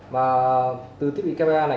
và từ thiết bị camera này